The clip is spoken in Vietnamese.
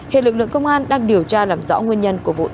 hệ lực lượng công an đang điều tra làm rõ nguyên nhân của vụ tai nạn